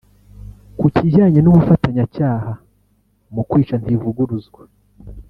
Ku kijyanye n’ubufatanyacyaha mu kwica Ntivuguzwa